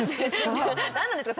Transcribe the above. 何なんですか？